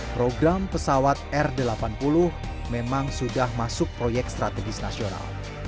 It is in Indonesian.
program pesawat r delapan puluh memang sudah masuk proyek strategis nasional